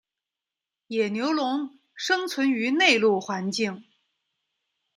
野牛龙生存于内陆环境。